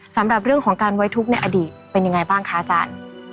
สำหรับเรื่องของการไว้ทุกข์ในอดีตเป็นยังไงบ้างคะอาจารย์